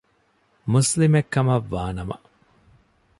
މުސްލިމެއްކަމަށްވާ ނަމަ